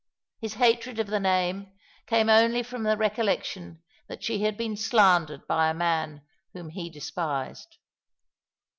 His hatred of the name came only from the recollection that she had been slandered by a man whom he despised.